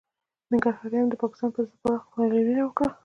ننګرهاریانو د پاکستان پر ضد پراخ لاریونونه وکړل